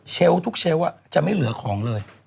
เช้าทุกเช้าจะไม่เหลือของเลย